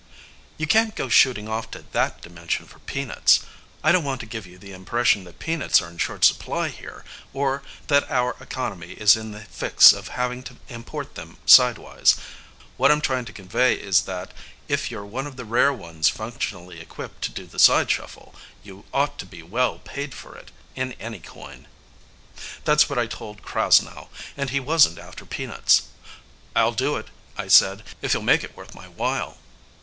_ You can't go shooting off to that dimension for peanuts. I don't want to give you the impression that peanuts are in short supply here, or that our economy is in the fix of having to import them sidewise. What I'm trying to convey is that, if you're one of the rare ones functionally equipped to do the side shuffle, you ought to be well paid for it in any coin. That's what I told Krasnow. And he wasn't after peanuts. "I'll do it," I said, "if you'll make it worth my while."